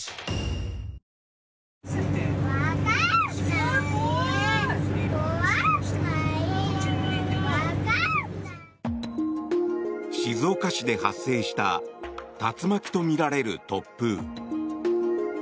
お申込みは静岡市で発生した竜巻とみられる突風。